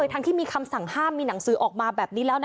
ทั้งที่มีคำสั่งห้ามมีหนังสือออกมาแบบนี้แล้วนะ